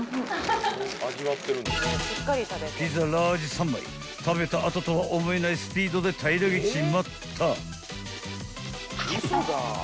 ［ピザラージ３枚食べた後とは思えないスピードで平らげちまった］